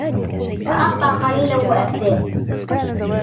وَأَعْطَى قَلِيلا وَأَكْدَى